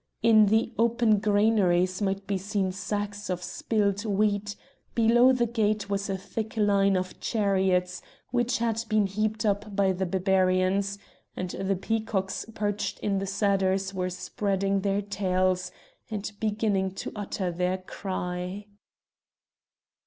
In the open granaries might be seen sacks of spilled wheat, below the gate was a thick line of chariots which had been heaped up by the Barbarians, and the peacocks perched in the cedars were spreading their tails and beginning to utter their cry.